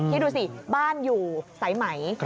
ให้ดูสิบ้านอยู่ใส่ไหม